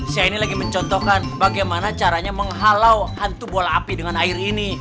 saya ini lagi mencontohkan bagaimana caranya menghalau hantu bola api dengan air ini